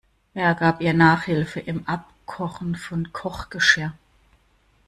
Er gab ihr Nachhilfe im Abkochen von Kochgeschirr.